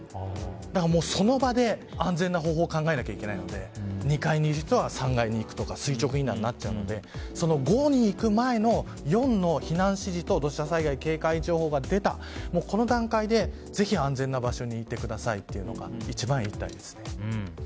だから、その場で安全な方法を考えなきゃいけないので２階にいる人は３階に行くとか垂直避難になっちゃうのでその５に行く前の４の避難指示と土砂災害警戒情報が出た段階でぜひ安全な場所にいてくださいというを一番、言いたいですね。